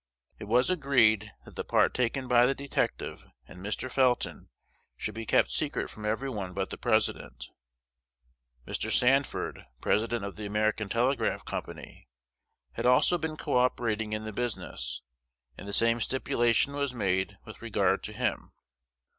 It was agreed that the part taken by the detective and Mr. Felton should be kept secret from every one but the President. Mr. Sanford, President of the American Telegraph Company, had also been co operating in the business; and the same stipulation was made with regard to him.